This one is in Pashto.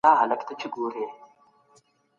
آيا د دوی افکار نن هم ژوندي دي؟